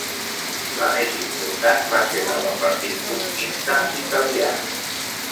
La més important va ser la del Partit Comunista Italià.